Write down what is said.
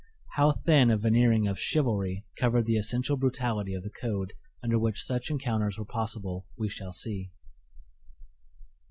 How thin a veneering of "chivalry" covered the essential brutality of the code under which such encounters were possible we shall see.